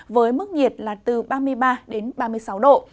với mức nhiệt là từ ba mươi ba đến ba mươi sáu độ